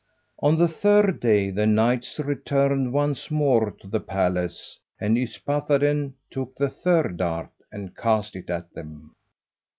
On the third day the knights returned once more to the palace, and Yspathaden took the third dart and cast it at them.